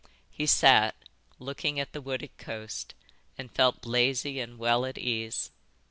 He sat, looking at the wooded coast, and felt lazy and well at ease.